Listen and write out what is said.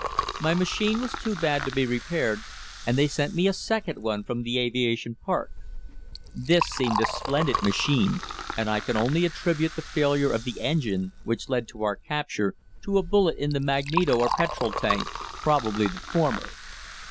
My machine was too bad to be repaired, and they sent me a second one from the Aviation Park. This seemed a splendid machine, and I can only attribute the failure of the engine, which led to our capture, to a bullet in the magneto or petrol tank, probably the former.